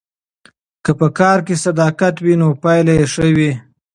که په کار کې صداقت وي نو پایله یې ښه وي.